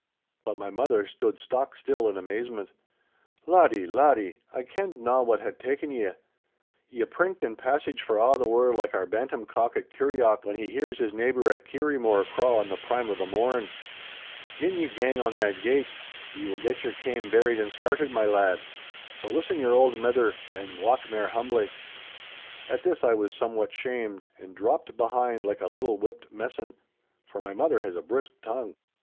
But my mother stood stock still in amazement. 'Laddie, laddie, I kenned na what had taken ye—ye prinked and passaged for a' the world like our bantam cock at Kirrieoch, when he hears his neighbour at Kirriemore craw in the prime of the morn. Gin ye gang on that gait, ye will get your kame berried and scarted, my lad. So listen your auld mither, and walk mair humbly.' At this I was somewhat shamed, and dropped behind like a little whipped messan; for my mother has a brisk tongue.